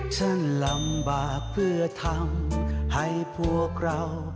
ฉันลำบากเพื่อทำให้พวกเรา